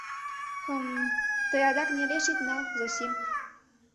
— Кхм, тый адак нелеш ит ал, Зосим.